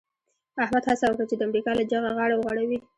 احمد هڅه وکړه چې د امریکا له جغه غاړه وغړوي.